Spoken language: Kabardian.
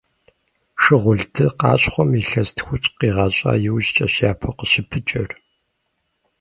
Шыгъулды къащхъуэм илъэс тхущӀ къигъэщӀа иужькӀэщ япэу къыщыпыкӀэр.